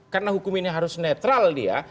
karena hukum ini harus netral dia